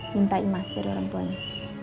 minta imas dari orang tuanya